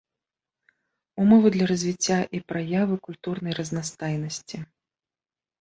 Умовы для развіцця і праявы культурнай разнастайнасці.